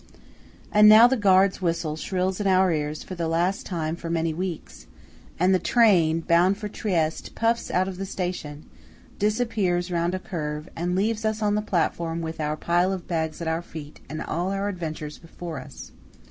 And now the guard's whistle shrills in our ears for the last time for many weeks, and the train, bound for Trieste, puffs out of the station, disappears round a curve, and leaves us on the platform with our pile of bags at our feet and all our adventures before us.